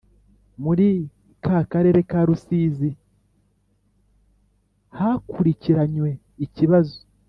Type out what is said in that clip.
Muri Karere ka Rusizi hakurikiranywe ikibazo